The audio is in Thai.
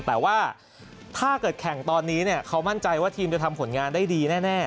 แต่ว่าถ้าเกิดแข่งตอนนี้เขามั่นใจว่าทีมจะทำผลงานได้ดีแน่